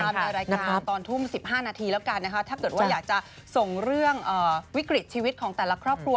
ในรายการตอนทุ่ม๑๕นาทีแล้วกันนะคะถ้าเกิดว่าอยากจะส่งเรื่องวิกฤตชีวิตของแต่ละครอบครัว